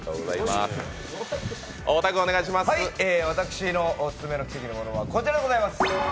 私のオススメの奇跡のものはこちらでございます。